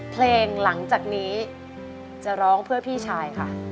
เพลงหลังจากนี้จะร้องเพื่อพี่ชายค่ะ